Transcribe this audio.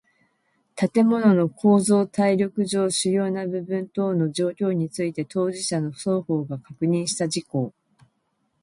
建物の構造耐力上主要な部分等の状況について当事者の双方が確認した事項